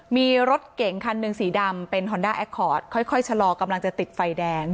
มีรถเก่งคันหนึ่งสีดำเป็นฮอนด้าแอคคอร์ดค่อยชะลอกำลังจะติดไฟแดง